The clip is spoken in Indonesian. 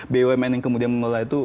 bumn yang kemudian mengelola itu